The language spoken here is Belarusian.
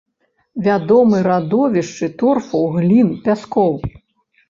Вядомы радовішчы торфу, глін, пяскоў.